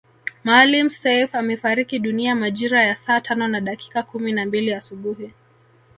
Maalim Seif amefariki dunia majira ya saa tano na dakika kumi na mbili asubuhi